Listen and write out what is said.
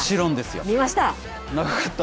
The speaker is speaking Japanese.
見ました？